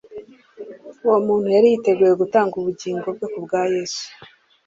Uwo muntu yari yiteguye gutanga ubugingo bwe kubwa Yesu,